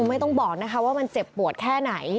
ไม่ต้องบอกนะคะว่ามันเจ็บปวดแค่ไหน